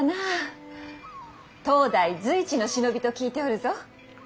当代随一の忍びと聞いておるぞ。